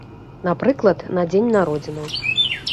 Напрыклад, на дзень народзінаў.